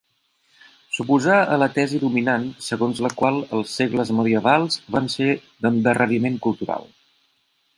S'oposà a la tesi dominant segons la qual els segles medievals van ser d'endarreriment cultural.